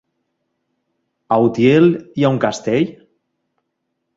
A Utiel hi ha un castell?